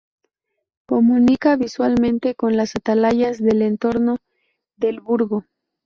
Comunica visualmente con las atalayas del entorno del Burgo.